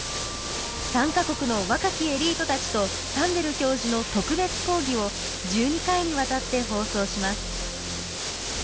３か国の若きエリートたちとサンデル教授の特別講義を１２回にわたって放送します。